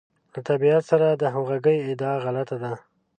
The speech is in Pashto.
له طبیعت سره د همغږۍ ادعا غلطه ده.